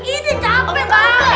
ini capek banget